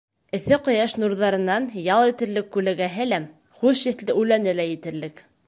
Эҫе ҡояш нурҙарынан ял итерлек күләгәһе лә, хуш еҫле үләне лә етерлек.